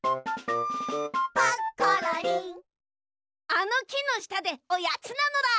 あのきのしたでおやつなのだ！